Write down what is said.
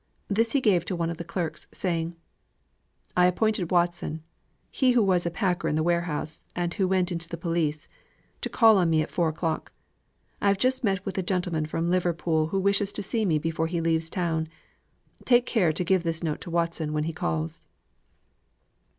This he gave to one of the clerks, saying: "I appointed Watson he who was a packer in the warehouse, and who went into the police to call on me at four o'clock. I have just met a gentleman from Liverpool who wishes to see me before he leaves town. Take care to give this note to Watson when he calls."